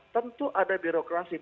tentu ada birokrasi